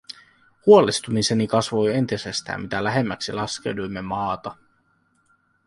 Huolestumiseni kasvoi entisestään mitä lähemmäksi laskeuduimme maata.